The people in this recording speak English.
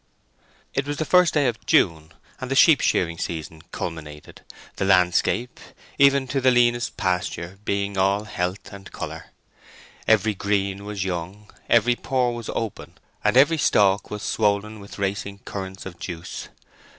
It was the first day of June, and the sheep shearing season culminated, the landscape, even to the leanest pasture, being all health and colour. Every green was young, every pore was open, and every stalk was swollen with racing currents of juice.